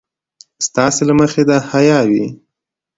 ستاسې له مخې د حيا وي.